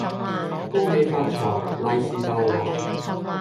恭喜發財，利是逗來